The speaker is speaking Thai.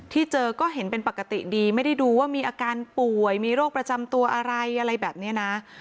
ที่เจอก็เห็นเป็นปกติดีไม่ได้ดูว่ามีอาการป่วยมีโรคประจำตัวอะไรอะไรแบบนี้นะ